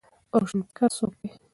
روشنفکر څوک دی؟